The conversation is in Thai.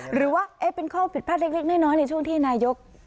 หรือว่าเป็นข้อผิดพลาดเล็กน้อยในช่วงที่นายก